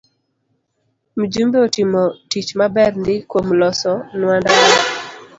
Mjumbe otimo tich maber ndii kuom loso nwa ndara